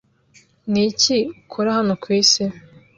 Niki ukora hano kwisi?